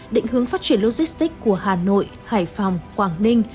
định hướng phát triển logistics của hà nội hải phòng quảng ninh